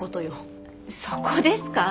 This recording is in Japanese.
そこですか？